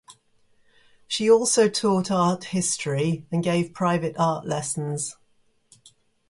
She also taught art history and gave private art lessons.